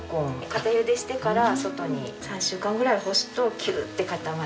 固ゆでしてから外に３週間ぐらい干すとキューッて固まって。